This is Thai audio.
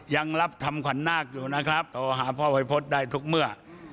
ยังรับทำควันนาคต่อหาพ่อไวพฤษฐ์ได้ทุกเมื่อ